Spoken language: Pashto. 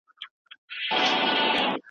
د جهالت تورتم د قلم په رڼا له منځه ځي.